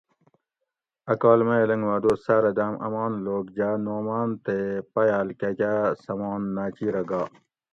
ا کال میہ لنگو ا دوس ساۤرہ داۤم امان لوک جاۤ نعمان تے پیال کاۤکاۤ سمان ناۤچیرہ گا